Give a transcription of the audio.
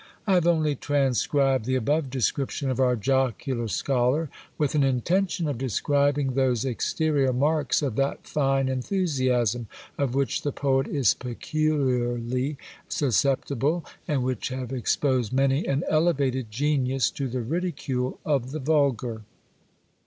I have only transcribed the above description of our jocular scholar, with an intention of describing those exterior marks of that fine enthusiasm, of which the poet is peculiarly susceptible, and which have exposed many an elevated genius to the ridicule of the vulgar.